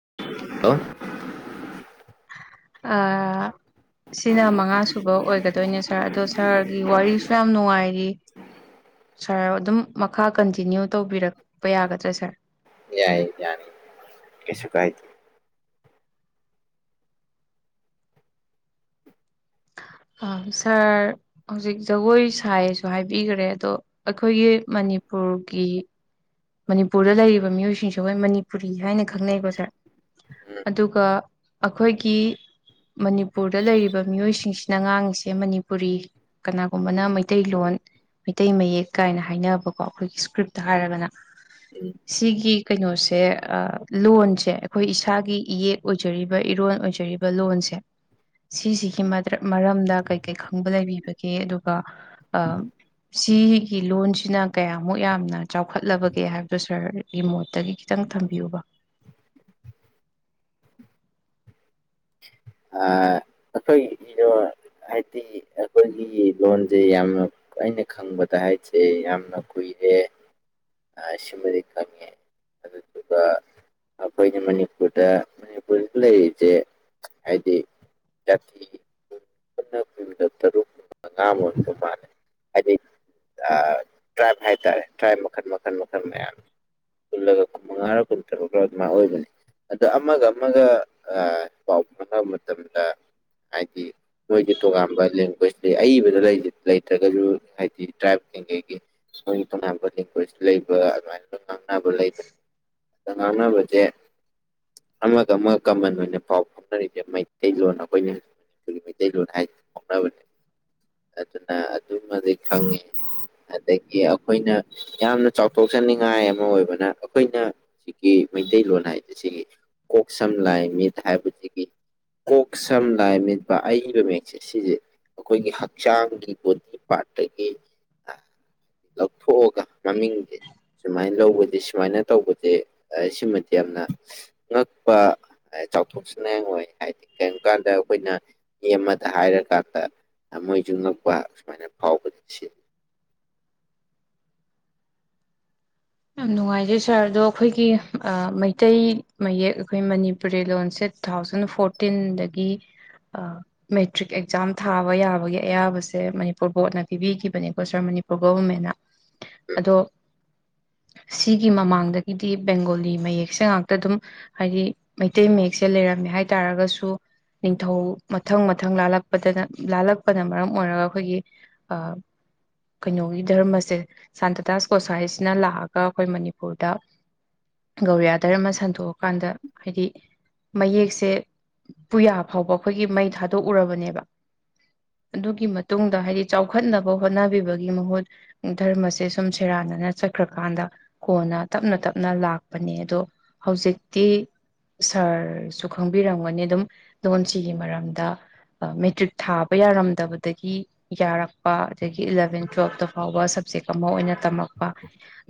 [unintelligible] ꯑꯑꯥ ꯁꯤꯅ ꯃꯉꯥꯁꯨꯨꯕ ꯑꯣꯏꯒꯗꯣꯏꯅꯦ ꯁꯥꯔ ꯑꯗꯣ ꯁꯥꯔꯒꯤ ꯋꯥꯔꯤꯁꯨ ꯌꯥꯝ ꯅꯨꯡꯉꯥꯏꯔꯤ ꯁꯥꯔ ꯑꯗꯨꯝ ꯃꯈꯥ ꯀꯟꯇꯤꯅ꯭ꯌꯨ ꯇꯧꯕꯤꯔꯛꯄ ꯌꯥꯒꯗ꯭ꯔꯥ ꯁꯥꯔ? ꯌꯥꯏ ꯌꯥꯅꯤ ꯀꯩꯁꯨ ꯀꯥꯏꯗꯦ ꯁꯥꯔ ꯍꯧꯖꯤꯛ ꯖꯒꯣꯏ ꯁꯥꯏꯁꯨ ꯍꯥꯏꯕꯤꯈꯔꯦ ꯑꯗꯣ ꯑꯩꯈꯣꯏꯒꯤ ꯃꯅꯤꯄꯨꯔꯒꯤ ꯃꯅꯤꯄꯨꯔꯗ ꯂꯩꯔꯤꯕ ꯃꯤꯑꯣꯏꯁꯤꯡꯁꯦ ꯍꯣꯏ ꯃꯅꯤꯄꯨꯔꯤ ꯍꯥꯏꯅ ꯈꯪꯅꯩꯀꯣ ꯁꯥꯔ ꯎꯝ ꯑꯗꯨꯒ ꯑꯩꯈꯣꯏꯒꯤ ꯃꯅꯤꯄꯨꯔꯗ ꯂꯩꯔꯤꯕ ꯃꯤꯑꯣꯏꯁꯤꯡꯁꯤꯅ ꯉꯥꯡꯉꯤꯁꯦ ꯃꯅꯤꯄꯨꯔꯤ ꯀꯅꯥꯒꯨꯝꯕꯅ ꯃꯩꯇꯩꯂꯣꯟ ꯃꯩꯇꯩ ꯃꯌꯦꯛ ꯀꯥꯏꯅ ꯍꯥꯏꯅꯕꯀꯣ ꯑꯩꯈꯣꯏꯒꯤ ꯏꯁꯀ꯭ꯔꯤꯞꯇ ꯍꯥꯏꯔꯒꯅ ꯎꯝ ꯁꯤꯒꯤ ꯀꯩꯅꯣꯁꯦ ꯂꯣꯟꯁꯦ ꯑꯩꯈꯣꯏ ꯏꯁꯥꯒꯤ ꯏꯌꯦꯛ ꯑꯣꯏꯖꯔꯤꯕ ꯏꯔꯣꯟ ꯑꯣꯏꯖꯔꯤꯕ ꯂꯣꯟꯁꯦ ꯁꯤꯁꯤꯒꯤ ꯃꯔꯝꯗ ꯀꯩꯀꯩ ꯈꯪꯕ ꯂꯩꯕꯤꯕꯒꯦ ꯑꯗꯨꯒ ꯁꯤꯒꯤ ꯂꯣꯟꯁꯤꯅ ꯀꯌꯥꯃꯨꯛ ꯌꯥꯝꯅ ꯆꯥꯎ ꯈꯠꯂꯕꯒꯦ ꯍꯥꯏꯕꯗꯨꯣ ꯁꯥꯔꯒꯤ ꯃꯣꯠꯇꯒꯤ ꯈꯤꯇꯪ ꯊꯝꯕꯤꯌꯨꯕ ꯫ ꯑꯩꯈꯣꯏꯒꯤ ꯏꯔꯣ ꯍꯥꯏꯗꯤ ꯑꯩꯈꯣꯏꯒꯤ ꯂꯣꯟꯁꯦ ꯌꯥꯝꯅ ꯑꯩꯅ ꯈꯪꯕꯗ ꯍꯥꯏꯁꯦ ꯌꯥꯝꯅ ꯀꯨꯏꯔꯦ ꯁꯤꯃꯗꯤ ꯈꯪꯉꯦ ꯑꯗꯨꯗꯨꯒ ꯑꯩꯈꯣꯏꯅ ꯃꯅꯤꯄꯨꯔꯗ ꯃꯅꯤꯄꯨꯔꯗ ꯂꯩꯔꯤꯕꯁꯦ ꯍꯥꯏꯗꯤ ꯖꯥꯇꯤ ꯄꯨꯟꯅ ꯀꯨꯟꯒ ꯇꯔꯨꯛ ꯃꯉꯥꯒ ꯑꯣꯏꯕ ꯃꯥꯜꯂꯦ ꯍꯥꯏꯗꯤ ꯇ꯭ꯔꯥꯏꯞ ꯍꯥꯏꯇꯥꯔꯦ ꯇ꯭ꯔꯥꯏꯞ ꯃꯈꯜ ꯃꯈꯜ ꯃꯈꯜ ꯃꯌꯥꯝꯅꯤ ꯄꯨꯜꯂꯒ ꯀꯨꯟ ꯃꯉꯥꯔ ꯀꯨꯟꯇꯔꯨꯛ ꯑꯗꯨꯃꯥꯏꯅ ꯑꯣꯏꯕꯅꯤ ꯑꯗ ꯑꯃꯒ ꯑꯃꯒ ꯄꯥꯎ ꯐꯥꯎꯅꯕ ꯃꯇꯝꯗ ꯍꯥꯏꯗꯤ ꯃꯣꯏꯒꯤ ꯇꯣꯉꯥꯟꯕ ꯂꯦꯡꯒ꯭ꯋꯦꯖ ꯂꯩ ꯑꯏꯕꯗ ꯂꯩꯇ꯭ꯔꯒꯁꯨ ꯍꯥꯏꯗꯤ ꯇ꯭ꯔꯥꯏꯕ ꯀꯒꯒꯤ ꯃꯣꯏꯒꯤ ꯇꯣꯉꯥꯟꯕ ꯂꯦꯡꯒ꯭ꯋꯦꯖ ꯂꯩꯕ ꯑꯗꯨꯃꯥꯏꯅ ꯉꯥꯡꯅꯕ ꯂꯩꯕꯅꯤ ꯑꯗꯣ ꯉꯥꯡꯅꯕꯁꯦ ꯑꯃꯒ - ꯑꯃꯒ ꯀꯃꯟ ꯑꯣꯏꯅ ꯄꯥꯎ ꯐꯥꯎꯅꯔꯤꯁꯦ ꯃꯩꯇꯩꯂꯣꯟ ꯑꯩꯈꯣꯏꯅ ꯃꯅꯤꯄꯨꯔꯤ ꯍꯖꯤꯛ ꯃꯩꯇꯩꯂꯣꯟ ꯍꯥꯏꯁꯤ ꯐꯥꯎꯅꯕꯅꯦ ꯑꯗꯨꯅ ꯑꯗꯨꯃꯗꯤ ꯈꯪꯉꯦ ꯑꯗꯒꯤ ꯑꯩꯈꯣꯏꯅ ꯌꯥꯝꯅ ꯆꯥꯎꯊꯣꯛꯆꯅꯤꯡꯉꯥꯏ ꯑꯃ ꯑꯣꯏꯕꯅ ꯑꯩꯈꯣꯏꯅ ꯁꯤꯒꯤ ꯃꯩꯇꯩꯂꯣꯟ ꯍꯥꯏꯁ ꯁꯤꯒꯤ ꯀꯣꯛ ꯁꯝ ꯂꯥꯏ ꯃꯤꯠ ꯍꯥꯏꯕꯁꯤꯒꯤ ꯀꯣꯛ ꯁꯝ ꯂꯥꯏ ꯃꯤꯠ ꯄꯥ ꯑꯏꯕ ꯃꯌꯦꯛꯁꯦ ꯁꯤꯁꯦ ꯑꯩꯈꯣꯏꯒꯤ ꯍꯛꯆꯥꯡꯒꯤ ꯕꯣꯗꯤ ꯄꯥꯔꯠꯇꯒꯤ ꯂꯧꯊꯣꯛꯑꯒ ꯃꯃꯤꯡꯁꯦ ꯁꯨꯃꯥꯏꯅ ꯂꯧꯕꯗꯤ ꯁꯨꯃꯥꯏꯅ ꯇꯧꯕꯁꯦ ꯁꯤꯃꯗꯤ ꯌꯥꯝꯅ ꯉꯛꯄ ꯆꯥꯎꯊꯣꯛꯆꯅꯤꯡꯉ ꯑꯣꯏ ꯍꯥꯏꯗꯤ ꯀꯔꯤꯒꯨꯝ ꯀꯥꯟꯗ ꯑꯩꯈꯣꯏꯅ ꯃꯤ ꯑꯃꯗ ꯍꯥꯏꯔꯀꯥꯟꯗ ꯃꯣꯏꯁꯨ ꯉꯛꯄ ꯁꯨꯃꯥꯏꯅ ꯐꯥꯎꯕꯗ ꯁꯤ ꯌꯥꯝ ꯅꯨꯡꯉꯥꯏꯖꯩ ꯁꯥꯔ ꯑꯗꯣ ꯑꯩꯈꯣꯏꯒꯤ ꯃꯩꯇꯩ ꯃꯌꯦꯛ ꯑꯩꯈꯣꯏ ꯃꯅꯤꯄꯨꯔꯤ ꯂꯣꯟꯁꯦ ꯇꯨ ꯊꯥꯎꯖꯟ ꯐꯣꯔꯇꯤꯟꯗꯒꯤ ꯃꯦꯇ꯭ꯔꯤꯛ ꯑꯦꯛꯖꯥꯝ ꯊꯥꯕ ꯌꯥꯕꯒꯤ ꯑꯌꯥꯕꯁꯦ ꯃꯅꯤꯄꯨꯔ ꯕꯣꯔꯗꯅ ꯄꯤꯕꯤꯈꯤꯕꯅꯦꯀꯣ ꯁꯥꯔ ꯃꯅꯤꯄꯨꯔ ꯒꯣꯕꯔꯃꯦꯟꯅ ꯑꯗꯣ ꯁꯤꯒꯤ ꯃꯃꯥꯡꯗꯒꯤꯗꯤ ꯕꯦꯡꯒꯣꯂꯤ ꯃꯌꯦꯛꯁꯦ ꯉꯥꯛꯇ ꯑꯗꯨꯝ ꯍꯥꯏꯗꯤ ꯃꯩꯇꯩ ꯃꯌꯦꯛꯁꯦ ꯂꯩꯔꯝꯃꯦ ꯍꯥꯏ ꯇꯥꯔꯒꯁꯨ ꯅꯤꯡꯊꯧ ꯃꯊꯪ- ꯃꯊꯪ ꯂꯥꯜꯂꯛꯄꯗꯅ ꯂꯥꯜꯂꯛꯄꯅ ꯃꯔꯝ ꯑꯣꯏꯔꯒ ꯑꯩꯈꯣꯏꯒꯤ ꯀꯩꯅꯣꯒꯤ ꯙꯔꯃꯁꯦ ꯁꯥꯟꯇꯇꯥꯁ ꯒꯣꯁꯥꯏ ꯅ ꯂꯥꯛꯑꯒ ꯑꯩꯈꯣꯏ ꯃꯅꯤꯄꯨꯔꯗ ꯒꯧꯔꯤꯌꯥ ꯙꯔꯃ ꯁꯟꯗꯣꯛꯑꯀꯥꯟꯗ ꯍꯥꯏꯗꯤ ꯃꯌꯦꯛꯁꯦ ꯄꯨꯌꯥ ꯐꯥꯎꯕ ꯑꯩꯈꯣꯏꯒꯤ ꯃꯩ ꯊꯥꯗꯣꯛꯎꯔꯕꯅꯦꯕ ꯑꯗꯨꯒꯤ ꯃꯇꯨꯡꯗ ꯍꯥꯏꯗꯤ ꯆꯥꯎꯈꯠꯅꯕ ꯍꯣꯠꯅꯕꯤꯕꯒꯤ ꯃꯍꯨꯠ ꯙꯔꯃꯁꯦ ꯁꯨꯝ ꯁꯦꯔꯥꯟꯅꯅ ꯆꯠ ꯈ꯭ꯔꯀꯥꯟꯗ ꯀꯣꯟꯅ ꯇꯞꯅ- ꯇꯞꯅ ꯂꯥꯛꯄꯅꯦ ꯑꯗꯣ ꯍꯧꯖꯤꯛꯇꯤ ꯁꯥꯔꯁꯨ ꯈꯪꯕꯤꯔꯝꯒꯅꯤ ꯑꯗꯨꯝ ꯂꯣꯟꯁꯤꯒꯤ ꯃꯔꯝꯗ ꯃꯦꯇ꯭ꯔꯤꯛ ꯊꯥꯕ ꯌꯥꯔꯝꯗꯕꯗꯒꯤ ꯌꯥꯔꯛꯄ ꯑꯗꯒꯤ ꯏꯂꯚꯦꯟ ꯇꯨꯋꯦꯜꯞꯇ ꯐꯥꯎꯕ ꯁꯕꯖꯦꯛ ꯑꯃ ꯑꯣꯏꯅ ꯇꯝꯃꯛꯄ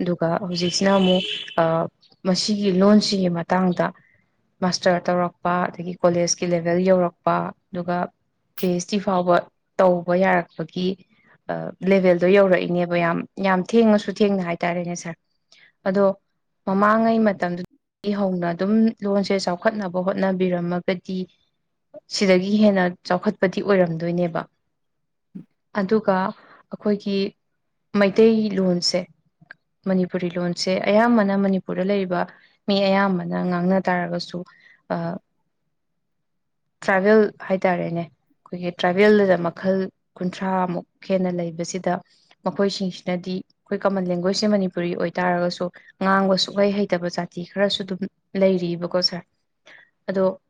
ꯑꯗꯨꯒ ꯍꯧꯖꯤꯛꯁꯤꯅ ꯑꯃꯨꯛ ꯃꯁꯤꯒꯤ ꯂꯣꯟꯁꯤꯒꯤ ꯃꯇꯥꯡꯗ ꯃꯥꯁꯇꯔ ꯇꯧꯔꯛꯄ ꯑꯗꯒꯤ ꯀꯣꯂꯦꯖꯀꯤ ꯂꯦꯚꯦꯜ ꯌꯧꯔꯛꯄ ꯑꯗꯨꯒ ꯄꯤ ꯑꯩꯆ ꯗꯤ ꯐꯥꯎꯕ ꯇꯧꯕ ꯌꯥꯔꯛꯄꯒꯤ ꯂꯦꯚꯦꯜꯗꯣ ꯌꯧꯔꯛꯏꯅꯦꯕ ꯌꯥꯝ ꯌꯥꯝ ꯊꯦꯡꯉꯁꯨ ꯊꯦꯡꯅ ꯍꯥꯏ ꯇꯥꯔꯦꯅꯦ ꯁꯥꯔ ꯑꯗꯣ ꯃꯃꯥꯡꯉꯩ ꯃꯇꯝꯗꯨꯗꯒꯤ ꯍꯧꯅ ꯑꯗꯨꯝ ꯂꯣꯟꯁꯦ ꯆꯥꯎꯈꯠꯅꯕ ꯍꯣꯠꯅꯕꯤꯔꯝꯃꯒꯗꯤ ꯁꯤꯗꯒꯤ ꯍꯦꯟꯅ ꯆꯥꯎꯈꯠꯄꯗꯤ ꯑꯣꯏꯔꯝꯗꯣꯏꯅꯦꯕ ꯑꯗꯨꯒ ꯑꯩꯈꯣꯏꯒꯤ ꯃꯩꯇꯩꯂꯣꯟꯁꯦ ꯃꯅꯤꯄꯨꯔꯤ ꯂꯣꯟꯁꯦ ꯑꯌꯥꯝꯕꯅ ꯃꯅꯤꯄꯨꯔꯗ ꯂꯩꯔꯤꯕ ꯃꯤ ꯑꯌꯥꯝꯕꯅ ꯉꯥꯡꯅ ꯇꯥꯔꯒꯁꯨ ꯇ꯭ꯔꯥꯏꯕꯦꯜ ꯍꯥꯏꯇꯥꯥꯔꯦꯅꯦ ꯑꯩꯈꯣꯏꯒꯤ ꯇ꯭ꯔꯥꯏꯕꯦꯜꯗꯨꯗ ꯃꯈꯜ ꯀꯨꯟꯊ꯭ꯔꯥꯃꯨꯛ ꯍꯦꯟꯅ ꯂꯩꯕꯁꯤꯗ ꯃꯈꯣꯏꯁꯤꯡꯁꯤꯅꯗꯤ ꯑꯩꯈꯣꯏ ꯀꯃꯟ ꯂꯦꯡ ꯒꯣꯏꯁ ꯁꯦ ꯃꯅꯤꯄꯨꯔꯤ ꯑꯣꯏꯇꯥꯔꯒꯁꯨ ꯉꯥꯡꯕ ꯁꯨꯛꯂꯩ ꯍꯩꯇꯕ ꯖꯥꯇꯤ ꯈꯔꯁꯨ ꯑꯗꯨꯝ ꯂꯩꯔꯤꯕꯀꯣ ꯁꯥꯔ ꯑꯗꯣ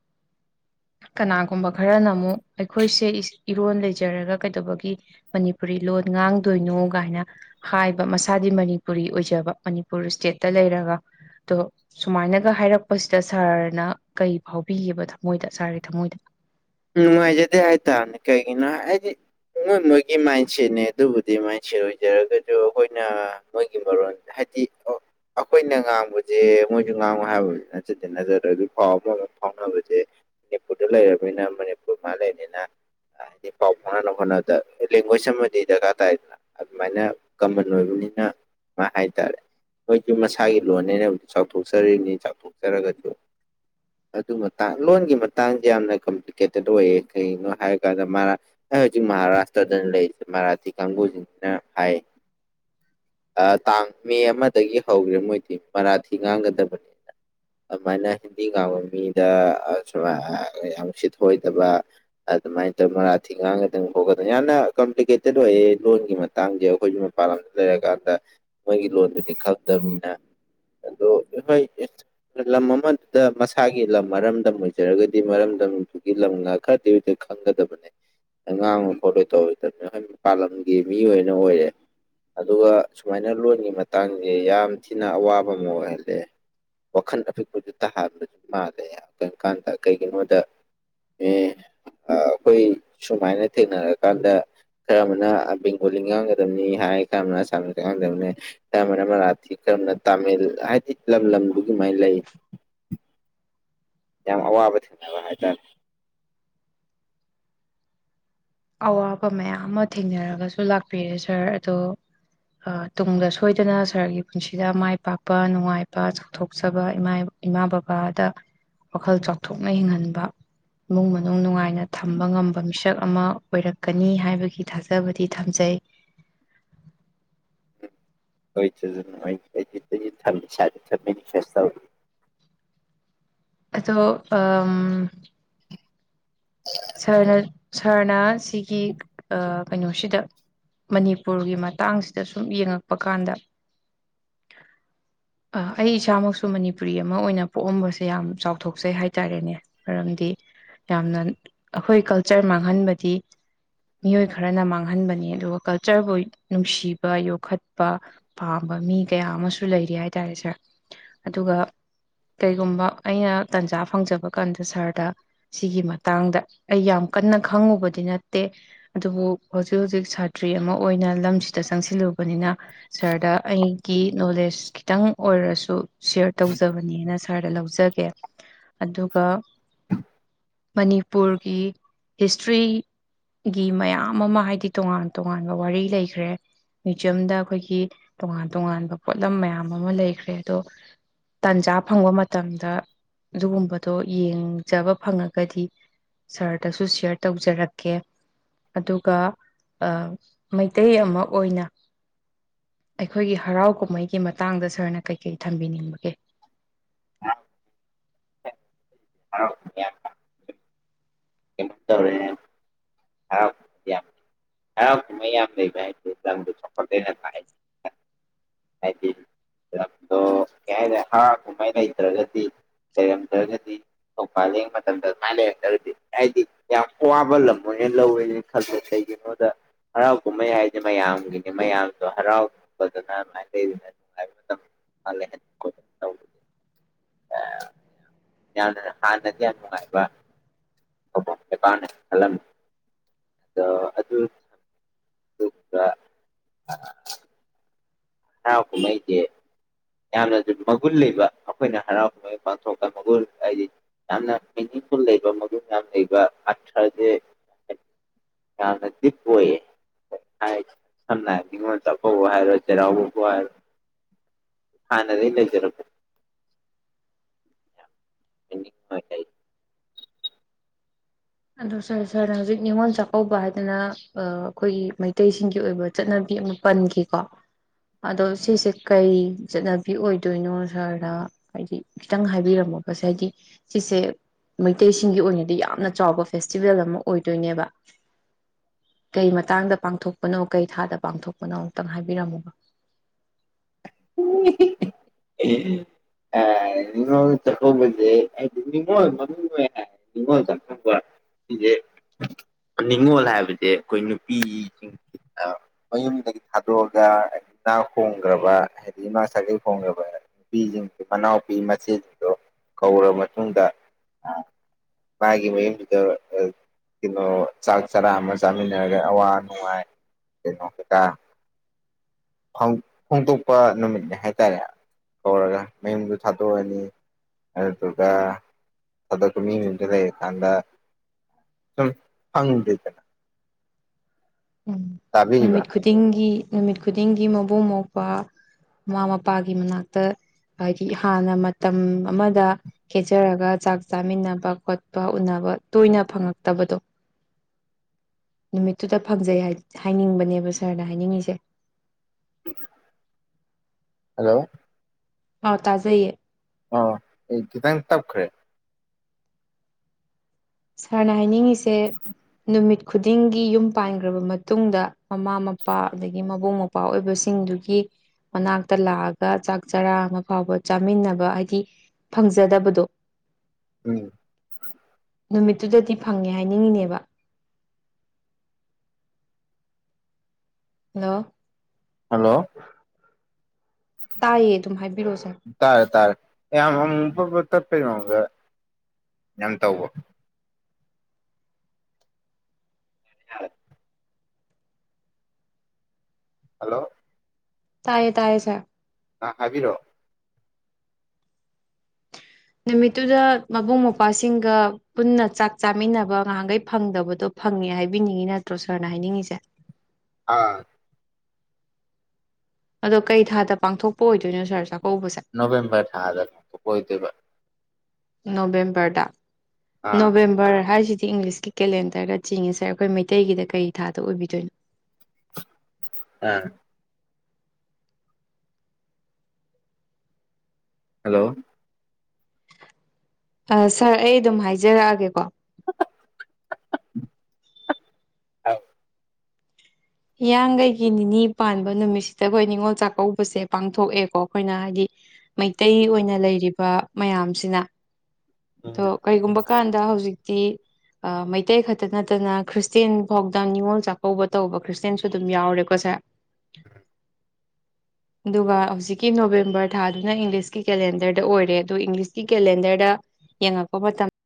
ꯀꯅꯥꯒꯨꯝꯕ ꯈꯔꯅ ꯑꯃꯨꯛ ꯑꯩꯈꯣꯏꯁꯦ ꯏꯔꯣꯟ ꯂꯩꯖꯔꯒ ꯀꯩꯗꯧꯕꯒꯤ ꯃꯅꯤꯄꯨꯔꯤ ꯂꯣꯟ ꯉꯥꯡꯗꯣꯏꯅꯣꯒꯥꯏꯅ ꯍꯥꯏꯕ ꯃꯁꯥ ꯍꯥꯏꯗꯤ ꯃꯅꯤꯄꯨꯔꯤ ꯑꯣꯏꯖꯕ ꯃꯅꯤꯄꯨꯔ ꯏꯁꯇꯦꯠꯇ ꯂꯩꯔꯒ ꯑꯗꯣ ꯁꯨꯃꯥꯏꯅꯒ ꯍꯥꯏꯔꯛꯄꯁꯤꯗ ꯁꯥꯔꯅ ꯀꯩ ꯐꯥꯎꯕꯤꯒꯦꯕ ꯊꯃꯣꯏꯗ ꯁꯥꯔꯒꯤ ꯊꯃꯣꯏꯗ ꯫ ꯅꯨꯡꯉꯥꯏꯖꯗꯦ ꯍꯥꯏꯇꯥꯥꯔꯅꯦ ꯀꯩꯒꯤꯅꯣ ꯍꯥꯏꯗꯤ ꯃꯣꯏ ꯃꯣꯏꯒꯤ ꯃꯥꯏꯟꯁꯦꯠꯅꯦ ꯑꯗꯨꯕꯨꯗꯤ ꯃꯥꯏꯟꯁꯦꯠ ꯑꯣꯏꯖꯔꯒꯁꯨ ꯑꯩꯈꯣꯏꯅ ꯃꯣꯏꯒꯤ ꯃꯔꯣꯟ ꯍꯥꯏꯕꯗꯤ ꯑꯩꯈꯣꯏꯅ ꯉꯥꯡꯕꯁꯦ ꯃꯣꯏꯁꯨ ꯉꯥꯡꯉ ꯍꯥꯏꯕ ꯅꯠꯆꯗꯦ ꯅꯠꯇꯗ꯭ꯔꯦ ꯑꯗꯨ ꯐꯥꯎꯕ ꯑꯃ ꯐꯥꯎꯅꯕꯁꯦ ꯃꯅꯤꯄꯨꯔꯗ ꯂꯩꯔꯕꯅꯤꯅ ꯃꯅꯤꯄꯨꯔ ꯃꯥ ꯂꯩꯅꯤꯅ ꯍꯥꯏꯗꯤ ꯄꯥꯎ ꯐꯥꯎꯅꯅꯕ ꯍꯣꯠꯅꯕꯗ ꯂꯦꯡꯒ꯭ꯋꯦꯖ ꯑꯃꯗꯤ ꯗꯔꯀꯥꯔ ꯇꯥꯏꯗꯅ ꯑꯗꯨꯃꯥꯏꯅ ꯀꯃꯟ ꯑꯣꯏꯕꯅꯤꯅ ꯃꯥ ꯍꯥꯏꯇꯥꯔꯦ ꯃꯣꯏꯁꯨ ꯃꯁꯥꯒꯤ ꯂꯣꯟꯅꯦꯅꯕꯨ ꯆꯥꯎꯊꯣꯛꯆꯔꯤꯅꯤ ꯆꯥꯎꯊꯣꯛꯆꯔꯒꯁꯨ ꯑꯗꯨ ꯃꯇꯥꯡ ꯂꯣꯟꯒꯤ ꯃꯇꯥꯡꯁꯦ ꯌꯥꯝꯅ ꯀꯦꯇꯦꯠ ꯑꯣꯏꯌꯦ ꯀꯩꯒꯤꯅꯣ ꯍꯥꯏꯔꯀꯥꯟꯗ ꯑꯩ ꯍꯧꯖꯤꯛ ꯃꯍꯥꯔꯥꯁꯇ꯭ꯔꯗꯅ ꯂꯩꯔꯤꯁꯦ ꯃꯔꯥꯊꯤ ꯀꯥꯡꯕꯨꯁꯤꯅ ꯍꯥꯏ ꯇꯥꯡ ꯃꯦ ꯑꯃꯗꯒꯤ ꯍꯧꯈ꯭ꯔꯦ ꯃꯣꯏꯗꯤ ꯃꯔꯥꯊꯤ ꯉꯥꯡꯒꯗꯕꯅꯤꯅ ꯑꯗꯨꯃꯥꯏꯅ ꯍꯤꯟꯗꯤ ꯉꯥꯡꯕ ꯃꯤꯗ ꯁꯥꯏ ꯌꯥꯝ ꯁꯤ ꯁꯣꯏꯗꯕ ꯑꯗꯨꯃꯥꯏꯅ ꯇꯧ ꯃꯔꯥꯊꯤ ꯉꯥꯡꯒꯗꯪ ꯈꯣꯠꯀꯗ ꯌꯥꯝꯅ ꯀꯝꯄ꯭ꯂꯤꯀꯦꯇꯦꯠ ꯑꯣꯏꯌꯦ ꯂꯣꯟꯒꯤ ꯃꯇꯥꯡꯁꯦ ꯑꯩꯈꯣꯏꯒꯤ ꯃꯄꯥꯟ ꯂꯝꯗ ꯂꯩꯔꯀꯥꯟꯗ ꯃꯣꯏꯒꯤ ꯂꯣꯟꯗꯨꯗꯤ ꯈꯪꯗꯕꯅꯤꯅ ꯑꯗꯣ ꯍꯣꯏ ꯂꯝ ꯑꯃꯗꯨꯗ ꯃꯁꯥꯒꯤ ꯂꯝ ꯃꯔꯝꯗꯝ ꯑꯣꯏꯖꯔꯒꯗꯤ ꯃꯔꯝꯗꯝ ꯒꯤ ꯂꯝꯅ ꯈꯔꯗꯤ ꯍꯧꯛꯇ ꯈꯪꯒꯗꯕꯅꯤ ꯉꯥꯡꯂꯣꯏ ꯈꯣꯠꯂꯣꯏ ꯇꯧꯔꯣꯏꯗꯕꯅꯤ ꯑꯩꯣꯏ ꯃꯄꯥꯟ ꯂꯝꯒꯤ ꯃꯤ ꯑꯣꯏꯅ ꯑꯣꯏꯔꯦ ꯑꯗꯨꯒ ꯁꯨꯃꯥꯏꯅ ꯂꯣꯟꯒꯤ ꯃꯇꯥꯡꯁꯦ ꯌꯥꯝ ꯊꯤꯅ ꯑꯋꯥꯕ ꯑꯃ ꯑꯣꯏꯍꯜꯂꯦ ꯋꯥꯈꯜ ꯑꯄꯤꯛꯄꯁꯨ ꯇꯥꯍꯟꯕꯁꯨ ꯃꯥꯜꯂꯦ ꯀꯔꯤꯝ ꯀꯥꯟꯗ ꯀꯩꯒꯤꯅꯣꯗ ꯑꯦ ꯑꯩꯈꯣꯏ ꯁꯨꯃꯥꯏꯅ ꯊꯦꯡꯅꯔꯛꯀꯥꯟꯗ ꯈꯔ ꯑꯃꯅ ꯕꯦꯡꯒꯣꯂꯤ ꯉꯥꯡꯒꯗꯕꯅꯤ ꯍꯥꯏ ꯈꯔ ꯑꯃꯅ ꯑꯁꯥꯃꯤꯁ ꯉꯥꯡꯗꯕꯅꯤ ꯈꯔ ꯑꯃꯅ ꯃꯔꯥꯊꯤ ꯈꯔ ꯑꯃꯅ ꯇꯥꯃꯤꯜ ꯍꯥꯏꯗꯤ ꯂꯝ ꯂꯝꯗꯨꯒꯤꯃꯥꯏꯅ ꯂꯩ ꯫ ꯌꯥꯝ ꯑꯋꯥꯕ ꯊꯦꯡꯅꯕ ꯍꯥꯏꯇꯥꯔꯦ꯫ ꯑꯋꯥꯕ ꯃꯌꯥꯝ ꯑꯃ ꯊꯦꯡꯅꯔꯒꯁꯨ ꯂꯥꯛꯄꯤꯔꯦ ꯁꯥꯔ ꯑꯗꯣ ꯇꯨꯡꯗ ꯁꯣꯏꯗꯅ ꯁꯥꯔꯒꯤ ꯄꯨꯟꯁꯤꯗ ꯃꯥꯏ ꯄꯥꯛꯄ ꯅꯨꯡꯉꯥꯏꯕ ꯆꯥꯎꯊꯣꯛꯆꯕ ꯏꯃꯥ ꯕꯕꯥꯗ ꯋꯥꯈꯜ ꯆꯥꯎꯊꯣꯛꯅ ꯍꯤꯡꯍꯟꯕ ꯏꯃꯨꯡ- ꯃꯅꯨꯡ ꯅꯨꯡꯉꯥꯏꯅ ꯊꯝꯕ ꯉꯝꯕ ꯃꯤꯁꯛ ꯑꯃ ꯑꯣꯏꯔꯛꯀꯅꯤ ꯍꯥꯏꯕꯒꯤ ꯊꯥꯖꯕꯗꯤ ꯊꯝꯖꯩ ꯫ ꯍꯣꯏ [unintelligible] ꯑꯗꯣ ꯑ ꯁꯥꯔꯅ ꯁꯥꯔꯅ ꯁꯤꯒꯤ ꯀꯩꯅꯣꯁꯤꯗ ꯃꯅꯤꯄꯨꯔꯒꯤ ꯃꯇꯥꯡꯁꯤꯗ ꯁꯨꯝ ꯌꯦꯡꯉꯛꯄ ꯀꯥꯟꯗ ꯑꯩ ꯏꯁꯥꯃꯛꯁꯨ ꯃꯅꯤꯄꯨꯔꯤ ꯑꯃ ꯑꯣꯏꯅ ꯄꯣꯛꯑꯝꯕꯁꯦ ꯌꯥꯝ ꯆꯥꯎꯊꯣꯛꯆꯩ ꯍꯥꯏ ꯇꯔꯦꯅꯦ ꯃꯔꯝꯗꯤ ꯌꯥꯝꯅ ꯑꯩꯈꯣꯏ ꯀꯜꯆꯔ ꯃꯥꯡꯍꯟꯕꯗꯤ ꯃꯤꯑꯣꯏ ꯈꯔꯅ ꯃꯥꯡꯍꯟꯕꯅꯤ ꯑꯗꯨꯒ ꯀꯜꯆꯔꯕꯨ ꯅꯨꯡꯁꯤꯕ ꯌꯣꯛꯈꯠꯄ ꯄꯥꯝꯕ ꯃꯤ ꯀꯌꯥ ꯑꯃꯁꯨ ꯂꯩꯔꯤ ꯍꯥꯏꯇꯥꯔꯦ ꯁꯥꯔ ꯑꯗꯨꯒ ꯀꯩꯒꯨꯝꯕ ꯑꯩꯅ ꯇꯥꯟꯖꯥ ꯐꯪꯖꯕ ꯀꯥꯟꯗ ꯁꯥꯔꯗ ꯁꯤꯒꯤ ꯃꯇꯥꯡꯗ ꯑꯩ ꯌꯥꯝ ꯀꯟꯅ ꯈꯪꯉꯨꯕꯗꯤ ꯅꯠꯇꯦ ꯑꯗꯨꯕꯨ ꯍꯧꯖꯤꯛ ꯍꯧꯖꯤꯛ ꯁꯥꯇ꯭ꯔꯤ ꯑꯃ ꯑꯣꯏꯅ ꯂꯝꯁꯤꯗ ꯆꯪꯁꯤꯜꯂꯨꯕꯅꯤꯅ ꯁꯥꯔꯗꯥꯥ ꯑꯩꯒꯤ ꯅꯣꯂꯦꯖ ꯈꯤꯇꯪ ꯑꯣꯏꯔꯁꯨ ꯁꯦꯌꯔ ꯇꯧꯖꯕꯅꯦꯅ ꯁ ꯁꯥꯔꯗ ꯂꯧꯖꯒꯦ ꯑꯗꯨꯒ ꯃꯅꯤꯄꯨꯔ ꯒꯤ ꯍꯤꯁꯇ꯭ꯔꯤꯒꯤ ꯃꯌꯥꯝ ꯑꯃ ꯍꯥꯏꯗꯤ ꯇꯣꯉꯥꯟ ꯇꯣꯉꯥꯟꯕ ꯋꯥꯔꯤ ꯂꯩꯈ꯭ꯔꯦ ꯃ꯭ꯌꯨꯖ꯭ꯌꯝꯗ ꯑꯩꯈꯣꯏꯒꯤ ꯇꯣꯉꯥꯟ ꯇꯣꯉꯥꯟꯕ ꯄꯣꯠꯂꯝ ꯃꯌꯥꯝ ꯑꯃ ꯂꯩꯈ꯭ꯔꯦ ꯑꯗꯣ ꯇꯥꯟꯖꯥ ꯐꯪꯕ ꯃꯇꯝꯗ ꯑꯗꯨꯒꯨꯝꯕꯗꯣ ꯌꯦꯡꯖꯕ ꯐꯪꯉꯒꯗꯤ ꯁꯥꯔꯗꯁꯨ ꯁꯤꯌꯥꯔ ꯇꯧꯖꯔꯛꯀꯦ ꯑꯗꯨꯒ ꯃꯩꯇꯩ ꯑꯃ ꯑꯣꯏꯅ ꯑꯩꯈꯣꯏꯒꯤ ꯍꯔꯥꯎ ꯀꯨꯝꯍꯩꯒꯤ ꯃꯇꯥꯡꯗ ꯁꯥꯔꯅ ꯀꯩꯀꯩ ꯊꯝꯕꯤꯅꯤꯡꯕꯒꯦ ꯑ ꯍꯔꯥꯎ ꯃꯌꯥꯝꯅ ꯀꯩꯅꯣꯝꯇꯧꯔꯦ ꯍꯔꯥꯎ ꯌꯥꯝ ꯍꯔꯥꯎ ꯀꯨꯝꯃꯩ ꯌꯥꯝ ꯂꯩꯕ ꯍꯥꯏꯖꯦ ꯂꯝꯗꯣ ꯆꯥꯎꯈꯠꯂꯦꯅ ꯇꯥꯛꯏꯅꯤ ꯍꯥꯏꯗꯤ ꯂꯝꯗꯣ ꯀꯩ ꯍꯥꯏꯇꯥꯦ ꯍꯥꯔ ꯀꯨꯝꯍꯩ ꯂꯩꯇ꯭ꯔꯒꯗꯤ ꯂꯩꯔꯝꯗ꯭ꯔꯒꯗꯤ ꯊꯧꯄ ꯂꯦꯡꯕ ꯃꯇꯝꯗ ꯑꯗꯨꯃꯥꯏꯅ ꯂꯩꯔꯝꯗ꯭ꯔꯒꯗꯤ ꯍꯥꯏꯗꯤ ꯌꯥꯝ ꯑꯋꯥꯕ ꯂꯝ ꯑꯣꯏꯅ ꯂꯧꯋꯦꯅ ꯈꯜꯂꯦ ꯀꯩꯒꯤꯅꯣꯗ ꯍꯔꯥꯎ ꯀꯨꯝꯍꯩ ꯍꯥꯏꯗꯤꯦ ꯃꯌꯥꯝꯒꯤꯅꯤ ꯃꯌꯥꯝꯗꯣ ꯍꯔꯥꯎꯄꯗꯅ ꯑꯗꯨꯃꯥꯏꯅ [inaudible] [unintelligible] ꯌꯥꯝꯅ ꯍꯥꯟꯅꯗꯤ ꯌꯥꯝ ꯅꯨꯡꯉꯥꯏꯕ ꯐꯐꯝ ꯂꯩꯀꯥꯎꯅꯦꯅ ꯈꯜꯂꯝꯃꯤ ꯑꯗꯣ ꯑꯗꯨ ꯑꯗꯨꯒꯕ ꯍꯥ ꯍꯨꯃꯥꯏꯒꯦ ꯌꯥꯝꯅꯁꯨ ꯃꯒꯨꯟ ꯂꯩꯕ ꯑꯩꯈꯣꯏꯅ ꯍꯔꯥꯎ ꯀꯨꯝꯍꯩ ꯄꯥꯡꯊꯣꯛꯄ ꯃꯒꯨꯟ ꯍꯥꯏꯗꯤ ꯌꯥꯝꯅ ꯃꯤꯅꯤꯡꯐꯨꯜ ꯂꯩꯕ ꯃꯒꯨꯟ ꯌꯥꯝ ꯂꯩꯕ ꯑꯊ꯭ꯔꯁꯦ ꯌꯥꯝꯅ ꯗꯤꯞ ꯑꯣꯏꯌꯦ ꯁꯝꯅ ꯍꯥꯏꯔꯕꯗ ꯃꯤꯉꯣꯟꯗ ꯑꯐꯧꯕ ꯍꯥꯏꯔꯣ ꯆꯩꯔꯥꯎꯕꯕꯨ ꯍꯥꯏꯔꯣ ꯍꯅ ꯏ ꯂꯩꯖꯔꯄ ꯍ ꯇ ꯑꯗꯣ ꯁꯥꯔ ꯁꯥꯔꯅ ꯍꯧꯖꯤꯛ ꯅꯤꯉꯣꯜ ꯆꯥꯛꯀꯧꯕ ꯍꯥꯏꯗꯅ ꯑꯩꯈꯣꯏꯒꯤ ꯃꯩꯇꯩꯁꯤꯡꯒꯤ ꯑꯣꯏꯕ ꯆꯠꯅꯕꯤ ꯑꯃ ꯄꯟꯈꯤꯀꯣ ꯑꯗꯣ ꯁꯤꯁꯦ ꯀꯩ ꯆꯠꯅꯕꯤ ꯑꯣꯏꯗꯣꯏꯅꯣ ꯁꯥꯔꯅ ꯍꯥꯏꯗꯤ ꯈꯤꯇꯪ ꯍꯥꯏꯕꯤꯔꯝꯃꯣꯕꯁꯦ ꯍꯥꯏꯗꯤ ꯁꯤꯁꯦ ꯃꯩꯇꯩꯁꯤꯡꯒꯤ ꯑꯣꯏꯅꯗꯤ ꯌꯥꯝꯅ ꯆꯥꯎꯕ ꯐꯦꯁꯇꯤꯚꯦꯜ ꯑꯃ ꯑꯣꯏꯗꯣꯏꯅꯦꯕ ꯀꯩ ꯃꯇꯥꯡꯗ ꯄꯥꯡꯊꯣꯛꯄꯅꯣ ꯀꯩ ꯊꯥꯗ ꯄꯥꯡꯊꯣꯛꯄꯅꯣ ꯑꯝꯛꯇꯪ ꯍꯥꯏꯕꯤꯔꯝꯃꯣꯕ ꯅꯤꯡꯉꯣꯜ ꯆꯥꯛꯀꯧꯕꯁꯦ ꯑꯩꯗꯤ ꯅꯤꯡꯉꯣꯜ ꯃ ꯅꯤꯡꯅꯤꯉꯣꯜ ꯆꯥꯛꯀꯧꯕ ꯁꯤꯁꯦ ꯅꯤꯡꯅꯤꯉꯣꯜ ꯍꯥꯏꯕꯁꯦ ꯑꯩꯈꯣꯏ ꯅꯨꯄꯤꯁꯤꯡ ꯃꯌꯨꯝꯗꯒꯤ ꯊꯥꯗꯣꯛꯑꯒ ꯆꯥꯛꯣꯡ ꯍꯧꯈ꯭ꯔꯕ ꯍꯥꯏꯗꯤ ꯏꯃꯥ ꯁꯥꯒꯩ ꯈꯣꯡꯈ꯭ꯔꯕ ꯅꯨꯄꯤꯁꯤꯡꯁ ꯃꯅꯥꯎꯄꯤ ꯃꯆꯦꯁꯤꯡꯗꯣ ꯀꯧꯔꯕ ꯃꯇꯨꯡꯗ ꯃꯥꯒꯤ ꯃꯌꯨꯝꯁꯤꯗ ꯀꯩꯅꯣ ꯆꯥꯛ ꯆꯔꯥ ꯑꯃ ꯆꯥꯃꯤꯟꯅꯔꯒ ꯑꯋꯥ ꯅꯨꯡꯉꯥꯏ ꯀꯩꯅꯣ ꯀꯩꯀꯥ ꯐꯣꯡꯗꯣꯛꯄ ꯅꯨꯃꯤꯠꯅꯦ ꯍꯥꯏꯇꯥꯔꯦ ꯀꯧꯔꯒ ꯃꯌꯨꯝꯗꯨ ꯊꯥꯗꯣꯛꯑꯅꯤ ꯑꯗꯨꯗꯨꯒ ꯊꯥꯗꯣꯛꯄ ꯃꯤ ꯃꯨꯝꯗꯨ ꯂꯩꯔꯀꯥꯟꯗ ꯁꯨꯝ ꯐꯪꯗꯦꯗꯅ ꯎꯝ ꯇꯥꯕꯤꯔꯤꯕ ꯅꯨꯃꯤꯠ ꯈꯨꯗꯤꯡꯒꯤ ꯅꯨꯃꯤꯠ ꯈꯨꯗꯤꯡꯒꯤ ꯃꯕꯨꯡ ꯃꯧꯄꯥ ꯃꯃꯥ ꯃꯄꯥꯒꯤ ꯃꯅꯥꯛꯇ ꯍꯥꯏꯗꯤ ꯍꯥꯟꯅ ꯃꯇꯝ ꯑꯃꯗ ꯈꯦꯠꯆꯔꯒ ꯆꯥꯛ ꯆꯥꯃꯤꯟꯅꯕ ꯈꯣꯠꯄ ꯎꯅꯕ ꯇꯣꯏꯅ ꯐꯪꯉꯛꯇꯕꯗꯣ ꯅꯨꯃꯤꯠꯇꯨꯗ ꯐꯪꯖꯩ ꯍꯥꯏꯗꯤ ꯍꯥꯏꯅꯤꯡꯕꯅꯦꯕ ꯁꯥꯔꯅ ꯍꯥꯏꯅꯤꯡꯉꯤꯁꯦ ꯍꯂꯣ ꯑꯥꯎ ꯇꯥꯖꯩꯌꯦ ꯑ ꯑꯩ ꯈꯤꯇꯪ ꯇꯞꯈ꯭ꯔꯦ ꯁꯥꯔꯅ ꯍꯥꯏꯅꯤꯡꯉꯁꯤ ꯁꯦ ꯅꯨꯃꯤꯠ ꯈꯨꯗꯤꯡꯒꯤ ꯌꯨꯝ ꯄꯥꯟꯒ꯭ꯔꯕ ꯃꯇꯨꯡꯗ ꯃꯃꯥ ꯃꯄꯥ ꯑꯗꯒꯤ ꯃꯕꯨꯡ ꯃꯧꯄ꯭ꯋꯥ ꯑꯣꯏꯕꯁꯤꯡꯗꯨꯒꯤ ꯃꯅꯥꯛꯇ ꯂꯥꯛꯑꯒ ꯆꯥꯛ ꯆꯔꯥ ꯑꯃ ꯐꯥꯎꯕ ꯆꯥꯃꯤꯟꯅꯕ ꯍꯥꯏꯗꯤ ꯐꯪꯖꯗꯕꯗꯣ ꯎꯝ ꯅꯨꯃꯤꯠꯇꯨꯗꯗꯤ ꯐꯪꯉꯦ ꯍꯥꯏꯅꯤꯡꯏꯤꯅꯦꯕ ꯍꯜꯂꯣ ꯍꯜꯂꯣ ꯇꯥꯏꯌꯦ ꯑꯗꯨꯝ ꯍꯥꯏ ꯇꯔꯦ ꯇꯔꯦ ꯌꯥꯝ ꯇꯠꯄꯩꯅꯣꯃꯒ ꯌꯥꯝ ꯇꯧꯕ ꯌꯥꯔ ꯍꯜꯂꯣ ꯇꯥꯏꯌꯦ ꯇꯥꯏꯌꯦ ꯁꯥꯥꯏꯦ ꯑ ꯍꯥꯏꯕꯤꯔꯛꯑꯣ ꯅꯨꯃꯤꯠꯇꯨꯗ ꯃꯕꯨꯡ ꯃꯧꯄ꯭ꯋꯥꯁꯤꯡꯒ ꯄꯨꯟꯅ ꯆꯥꯛ ꯆꯥꯃꯤꯟꯅꯕ ꯉꯍꯈꯩ ꯐꯪꯗꯕꯗꯣ ꯐꯪꯉꯦ ꯍꯥꯏꯕꯤꯅꯤꯡꯉꯤ ꯅꯠꯇ꯭ꯔꯣ ꯁꯥꯔꯅ ꯍꯥꯏꯅꯤꯡꯉꯤꯁꯦ ꯑꯥ ꯑꯗꯣ ꯀꯩ ꯊꯥꯗ ꯄꯥꯡꯊꯣꯛꯄ ꯑꯣꯏꯗꯣꯏꯅꯣ ꯁꯥꯔ ꯆ ꯅꯣꯕꯦꯝꯕꯔ ꯊꯥꯗ ꯑꯣꯏꯣꯏꯗꯕ ꯅꯚꯦꯝꯦꯝꯕꯔꯗ ꯑꯥ ꯅꯣꯕꯦꯝꯕꯔ ꯍꯥꯏꯁꯤꯗꯤ ꯁꯤ ꯏꯪꯂꯤꯁꯀꯤ ꯀꯦꯂꯦꯟꯗꯔꯒ ꯆꯤꯡꯉꯦ ꯁꯥꯔ ꯑꯩꯈꯣꯏ ꯃꯩꯇꯩꯒꯤꯗ ꯀꯔꯤ ꯊꯥꯗ ꯑꯣꯏꯕꯤꯗꯣꯏꯅꯣ ꯑꯥ ꯍꯜꯂꯣ ꯁꯥꯔ ꯑꯩ ꯑꯗꯨꯝ ꯍꯥꯏꯖꯔꯛꯑꯒꯦꯀꯣ ꯍ ꯍꯤꯌꯥꯡꯒꯩꯒꯤ ꯅꯤꯅꯤ ꯄꯥꯟꯕ ꯅꯨꯃꯤꯠꯁꯤꯗ ꯑꯩꯈꯣꯏ ꯅꯤꯉꯣꯜ ꯆꯥꯛꯀꯧꯕꯁꯦ ꯄꯥꯡꯊꯣꯛꯑꯦꯀꯣ ꯑꯩꯈꯣꯏꯅ ꯍꯥꯏꯗꯤ ꯃꯩꯇꯩ ꯑꯣꯏꯅ ꯂꯩꯔꯤꯕ ꯃꯌꯥꯝꯁꯤꯅ ꯎꯝ ꯑꯣ ꯀꯩꯒꯨꯝꯕ ꯀꯥꯟꯗ ꯍꯧꯖꯤꯛ ꯃꯩꯇꯩ ꯈꯛꯇ ꯅꯠꯇꯅ ꯈ꯭ꯔꯤꯁꯇꯦꯟ ꯐꯥꯎꯗ ꯅꯤꯡꯉꯣꯜ ꯆꯥꯛꯀꯧꯕ ꯇꯧꯕ ꯈ꯭ꯔꯤꯁꯇꯦꯟꯁꯨ ꯑꯗꯨꯝ ꯌꯥꯎꯔꯦꯀꯣ ꯁꯦ ꯎ ꯑꯗꯨꯒ ꯍꯧꯖꯤꯛꯀꯤ ꯅꯣꯕꯦꯝꯕꯔ ꯊꯥꯗꯨꯅ ꯏꯪꯂꯤꯁꯀꯤ ꯀꯦꯂꯦꯟꯗꯔꯗ ꯑꯣꯏꯔꯦ ꯑꯣ ꯏꯪꯂꯤꯁꯀꯤ ꯀꯦꯂꯦꯟꯗꯔꯗ ꯌꯦꯡꯉꯛꯄ ꯃꯇꯝ